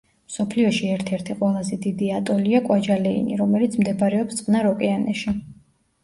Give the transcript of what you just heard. მსოფლიოში ერთ-ერთი ყველაზე დიდი ატოლია კვაჯალეინი, რომელიც მდებარეობს წყნარ ოკეანეში.